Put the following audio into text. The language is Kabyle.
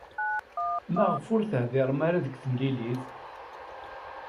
Maɣef ur teḥdiṛem ara deg temlilit?